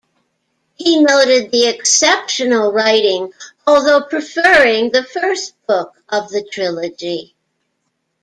He noted the exceptional writing although preferring the first book of the trilogy.